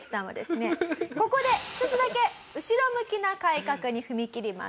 ここで一つだけ後ろ向きな改革に踏み切ります。